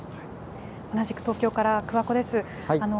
同じく東京から、桑子です。